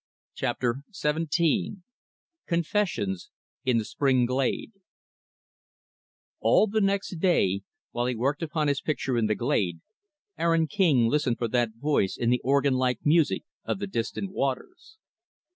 Chapter XVII Confessions in the Spring Glade All the next day, while he worked upon his picture in the glade, Aaron King listened for that voice in the organ like music of the distant waters.